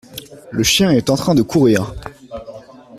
Le chien est en train de courir.